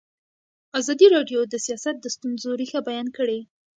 ازادي راډیو د سیاست د ستونزو رېښه بیان کړې.